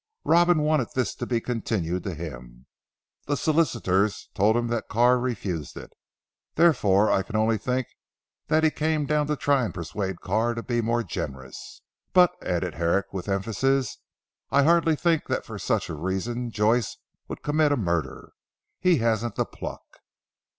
Robin wanted this to be continued to him. The solicitors told him that Carr refused it. Therefore I can only think that he came down to try and persuade Carr to be more generous. But," added Herrick with emphasis, "I hardly think that for such a reason Joyce would commit a murder. He hasn't the pluck."